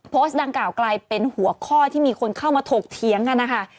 โพสต์ดังกล่าวกลายเป็นหัวข้อที่มีคนเข้ามาถกเถียงกันนะคะ